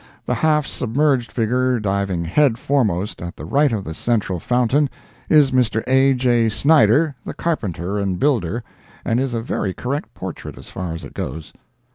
The half submerged figure diving head foremost at the right of the central fountain, is Mr. A. J. Snyder, the carpenter and builder, and is a very correct portrait as far as it goes.